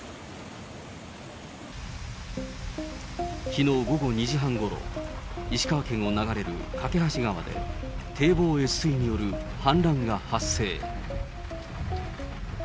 きのう午後２時半ごろ、石川県を流れる梯川で、堤防越水による氾濫が発生。